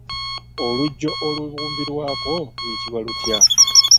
Oluggyo olubumbirwako luyitibwa lutya?